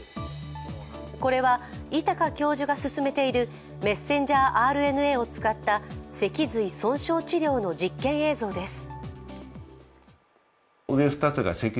これは、位高教授が進めているメッセンジャーＲＮＡを使った脊髄損傷治療の実験映像です。